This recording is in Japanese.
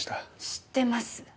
知ってます。